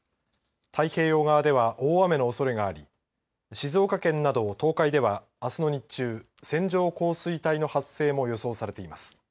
太平洋側では大雨のおそれがあり静岡県など東海ではあすの日中、線状降水帯の発生も予想されています。